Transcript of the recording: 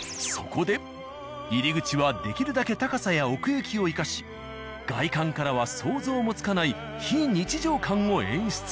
そこで入り口はできるだけ高さや奥行きを生かし外観からは想像もつかない非日常感を演出。